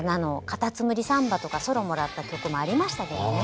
「かたつむりサンバ」とかソロもらった曲もありましたけどね。